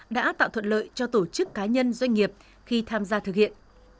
đã tạo thuận lợi cho tổ chức cá nhân doanh nghiệp khi tham gia thực hiện